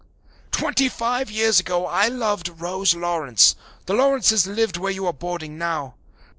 "Twenty five years ago I loved Rose Lawrence. The Lawrences lived where you are boarding now.